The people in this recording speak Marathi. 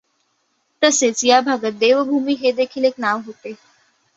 तसेच या भागास देवभूमी हे देखील एक नाव होते.